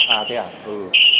à thế ạ ừ